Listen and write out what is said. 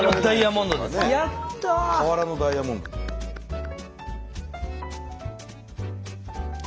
河原のダイヤモンドです。